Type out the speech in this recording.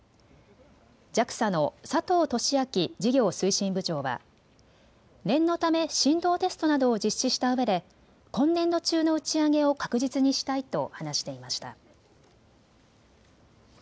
ＪＡＸＡの佐藤寿晃事業推進部長は念のため振動テストなどを実施したうえで今年度中の打ち上げを確実にしたいと話していました。